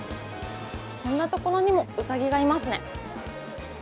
こんなところにもうさぎがいますね。